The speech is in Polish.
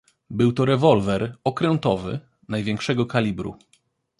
"Był to rewolwer, okrętowy, największego kalibru."